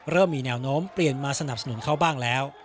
เริ่มมีแนวโน้มเปลี่ยนมาสนับสนุนเขาบ้างแล้ว